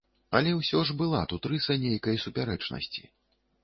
Але ўсё ж была тут рыса нейкай супярэчнасці.